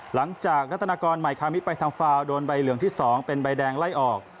รัฐนากรใหม่คามิไปทำฟาวโดนใบเหลืองที่๒เป็นใบแดงไล่ออก